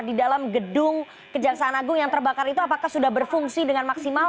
di dalam gedung kejaksaan agung yang terbakar itu apakah sudah berfungsi dengan maksimal